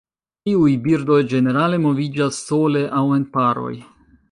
Tiuj birdoj ĝenerale moviĝas sole aŭ en paroj.